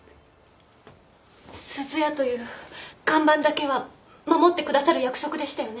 「すずや」という看板だけは守ってくださる約束でしたよね